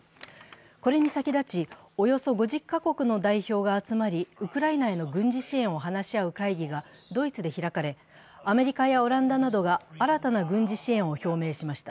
これに先立ち、およそ５０か国の代表が集まり、ウクライナへの軍事支援を話し合う会議がドイツで開かれアメリカやオランダなどが新たな軍事支援を表明しました。